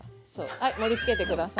はい盛りつけて下さい。